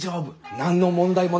何の問題もねえ。